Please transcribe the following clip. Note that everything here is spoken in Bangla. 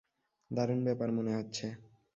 দারুণ ব্যাপার মনে হচ্ছে।